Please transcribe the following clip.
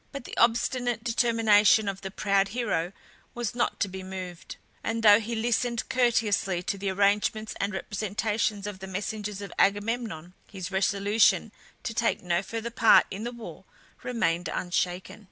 But the obstinate determination of the proud hero was not to be moved; and though he listened courteously to the arguments and representations of the messengers of Agamemnon, his resolution to take no further part in the war remained unshaken.